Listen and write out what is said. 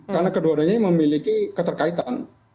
karena keduanya memiliki keterkaitan